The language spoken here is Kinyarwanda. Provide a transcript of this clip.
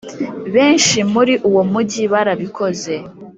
benshi muri uwo mugi barabikoze